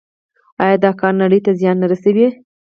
آیا دا کار نړۍ ته زیان نه رسوي؟